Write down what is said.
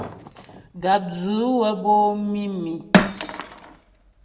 Gàpdzʉ wə́ bǒ mǐmi.